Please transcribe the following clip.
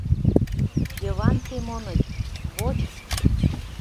Йыван Семоныч, воч.